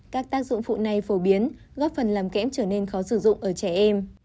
các tác dụng phụ này phổ biến góp phần làm kẽm trở nên khó sử dụng ở trẻ em